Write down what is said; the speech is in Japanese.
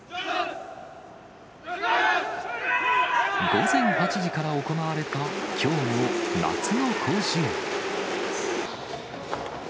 午前８時から行われた、きょうの夏の甲子園。